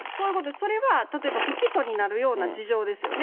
それは不起訴になるような事情ですよね。